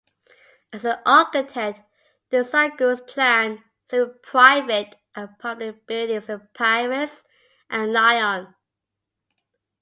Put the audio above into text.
As an architect, Desargues planned several private and public buildings in Paris and Lyon.